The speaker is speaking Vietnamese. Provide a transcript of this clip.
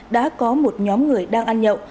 đã có một nhóm người đang ăn nhậu